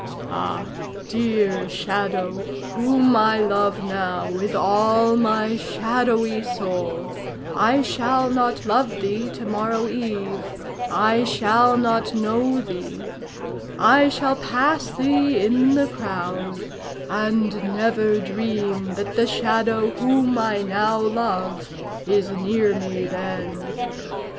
Ah! dear Shadow, whom I love now with all my shadowy soul, I shall not love thee to morrow eve, I shall not know thee; I shall pass thee in the crowd and never dream that the Shadow whom I now love is near me then.